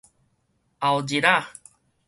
後日仔